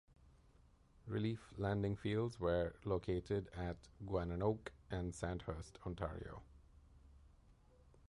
Relief landing fields were located at Gananoque and Sandhurst, Ontario.